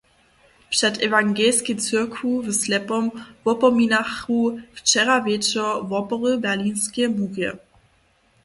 Před ewangelskej cyrkwju w Slepom wopominachu wčera wječor wopory Berlinskeje murje.